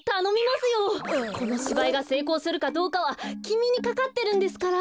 このしばいがせいこうするかどうかはきみにかかってるんですから！